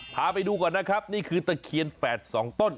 พาไปดูก่อนนะครับนี่คือตะเคียนแฝดสองต้น